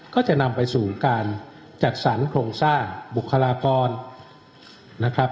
ก็จะนำไปสู่การจัดสรรโครงสร้างบุคลากรนะครับ